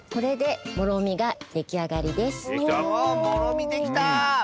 もろみできた！